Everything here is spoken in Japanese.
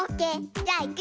じゃあいくよ！